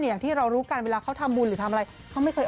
อย่างที่เรารู้กันเวลาเขาทำบุญหรือทำอะไรเขาไม่เคย